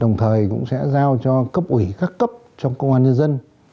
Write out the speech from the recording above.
đồng thời cũng sẽ giao cho cấp ủy các cấp trong công an nhân dân